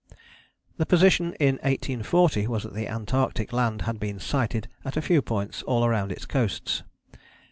" The position in 1840 was that the Antarctic land had been sighted at a few points all round its coasts.